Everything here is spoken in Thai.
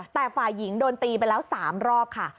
แต่ฝ่ายหญิงโดนตีไปแล้ว๓รอบค่ะ